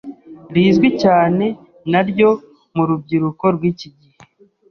rizwi cyane naryo mu rubyiruko rw’iki gihe